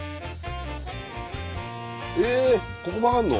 えここ曲がんの？